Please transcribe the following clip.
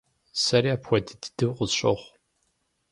Сэри апхуэдэ дыду къысщохъу.